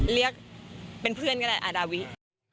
เรียกเป็นเพื่อนกันแหละอ่าดาวิทย์